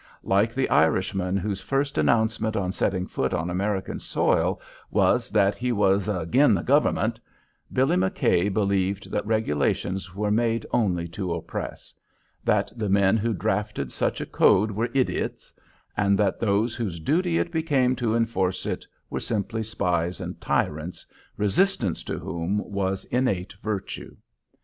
Like the Irishman whose first announcement on setting foot on American soil was that he was "agin the government," Billy McKay believed that regulations were made only to oppress; that the men who drafted such a code were idiots, and that those whose duty it became to enforce it were simply spies and tyrants, resistance to whom was innate virtue.